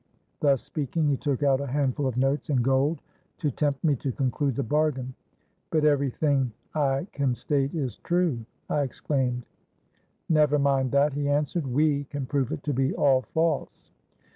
'—Thus speaking, he took out a handful of notes and gold, to tempt me to conclude the bargain.—'But every thing I can state is true!' I exclaimed.—'Never mind that,' he answered: 'we can prove it to be all false.